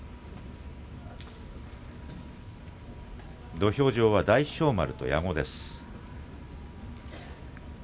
土俵上は大翔丸と矢後です。